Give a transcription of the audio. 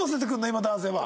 今男性は。